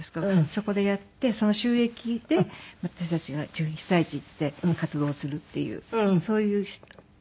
そこでやってその収益で私たちが被災地行って活動するっていうそういうあれで。